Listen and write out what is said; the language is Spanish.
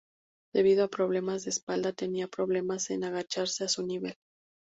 Debido a problemas de espalda tenía problemas en agacharse a su nivel.